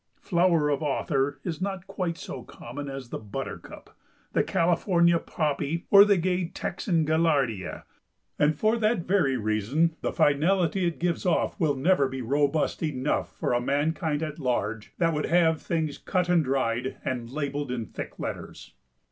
Flower of author is not quite so common as the buttercup, the Californian poppy, or the gay Texan gaillardia, and for that very reason the finality it gives off will never be robust enough for a mankind at large that would have things cut and dried, and labelled in thick letters.